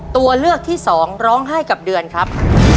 ตัวเลือกที่สองร้องไห้กับเดือนครับ